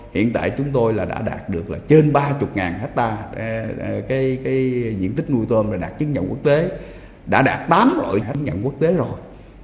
hiện tại chúng tôi đã đạt được trên ba mươi hectare nhiệm tích nuôi tôm đã đạt chứng nhận quốc tế đã đạt tám loại chứng nhận quốc tế rồi